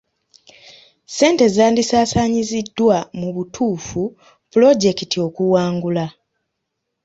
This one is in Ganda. Ssente zandisaasaanyiziddwa mu butuufu pulojekiti okuwangula.